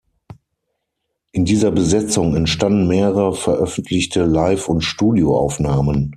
In dieser Besetzung entstanden mehrere veröffentlichte Live- und Studio-Aufnahmen.